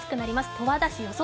十和田市、予想